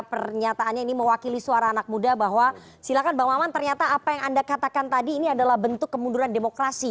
pernyataannya ini mewakili suara anak muda bahwa silakan bang maman ternyata apa yang anda katakan tadi ini adalah bentuk kemunduran demokrasi